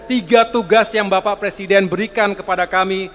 tiga tugas yang bapak presiden berikan kepada kami